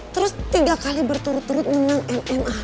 terus tiga kali berturut turut dengan mma